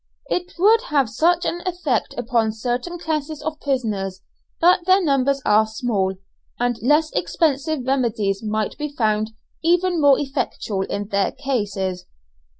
It would have such an effect upon certain classes of prisoners, but their numbers are small, and less expensive remedies might be found even more effectual in their cases.